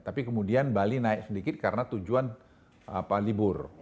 tapi kemudian bali naik sedikit karena tujuan libur